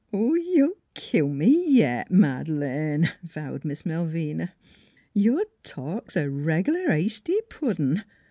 " "You'll kill me yit, Mad'lane!" vowed Miss Malvina. ' Your talk 's a reg'lar hasty puddin'. ...